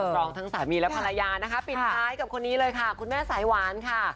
ร้องทั้งสามีและภรรยานะคะปิดท้ายกับคนนี้เลยค่ะคุณแม่สายหวานค่ะ